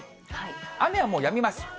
雨はもうやみます。